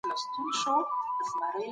څېړنه وکړه چي حقیقت روښانه سي.